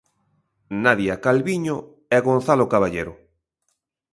Nadia Calviño e Gonzalo Caballero.